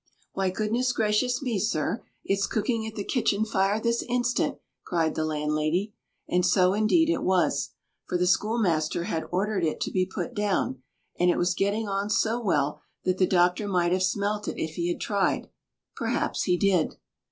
"Why, goodness gracious me, sir, it's cooking at the kitchen fire this instant!" cried the landlady. And so, indeed, it was; for the schoolmaster had ordered it to be put down, and it was getting on so well that the doctor might have smelt it if he had tried—perhaps he did.